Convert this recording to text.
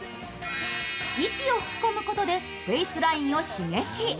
息を吹き込むことでフェイスラインを刺激。